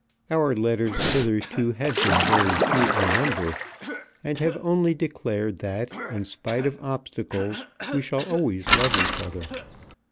Our letters hitherto have been very few in number, and have only declared that in spite of obstacles we shall always love each other.